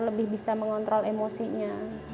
lebih bisa mengontrol emosinya